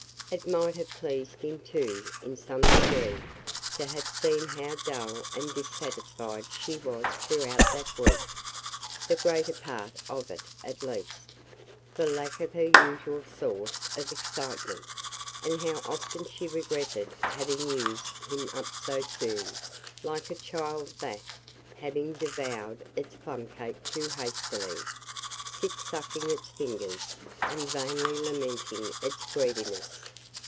It might have pleased him, too, in some degree, to have seen how dull and dissatisfied she was throughout that week (the greater part of it, at least), for lack of her usual source of excitement; and how often she regretted having "used him up so soon," like a child that, having devoured its plumcake too hastily, sits sucking its fingers, and vainly lamenting its greediness.